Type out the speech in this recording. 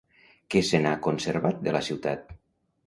Què se n'ha conservat de la ciutat?